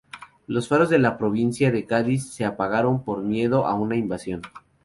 Los faros de la provincia de Cádiz se apagaron por miedo a una invasión.